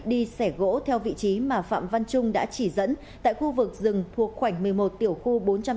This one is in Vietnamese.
đi xẻ gỗ theo vị trí mà phạm văn trung đã chỉ dẫn tại khu vực rừng thuộc khoảnh một mươi một tiểu khu bốn trăm tám mươi